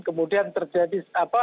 kemudian terjadi apa